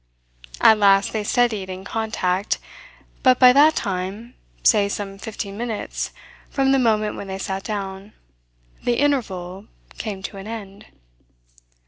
At last they steadied in contact, but by that time, say some fifteen minutes from the moment when they sat down, the "interval" came to an end.